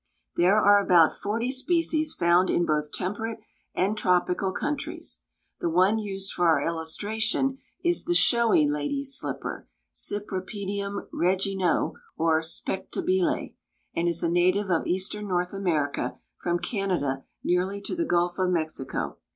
There are about forty species found in both temperate and tropical countries. The one used for our illustration is the "showy lady's slipper" (Cypripedium reginæ or spectabile) and is a native of eastern North America from Canada nearly to the Gulf of Mexico.